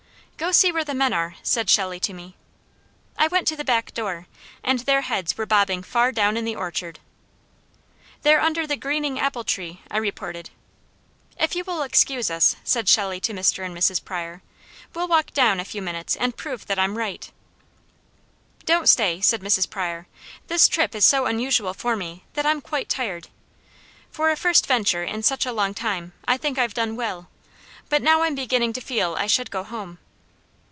"Go see where the men are," said Shelley to me. I went to the back door, and their heads were bobbing far down in the orchard. "They're under the greening apple tree," I reported. "If you will excuse us," said Shelley to Mr. and Mrs. Pryor, "we'll walk down a few minutes and prove that I'm right." "Don't stay," said Mrs. Pryor. "This trip is so unusual for me that I'm quite tired. For a first venture, in such a long time, I think I've done well. But now I'm beginning to feel I should go home."